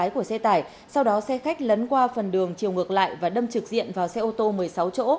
của xe tải sau đó xe khách lấn qua phần đường chiều ngược lại và đâm trực diện vào xe ô tô một mươi sáu chỗ